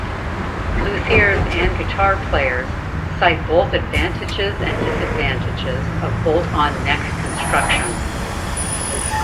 Luthiers and guitar players cite both advantages and disadvantages of bolt-on neck construction.